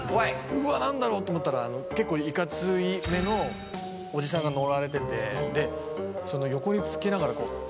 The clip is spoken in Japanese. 「うわ何だろう」って思ったら結構いかつめのおじさんが乗られててで横に付けながら。